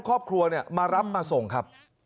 ก่อนหน้าวันนั้นค่ะ